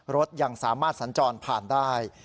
รถยังสามารถสัญจรผ่านได้